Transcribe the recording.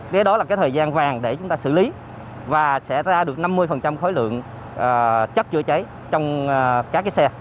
đấy đó là thời gian vàng để chúng ta xử lý và sẽ ra được năm mươi khối lượng chất chữa cháy trong các xe